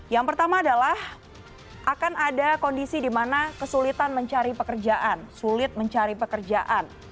yang pertama adalah akan ada kondisi di mana kesulitan mencari pekerjaan sulit mencari pekerjaan